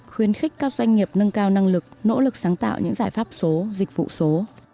khuyến khích các doanh nghiệp nâng cao năng lực nỗ lực sáng tạo những giải pháp số dịch vụ số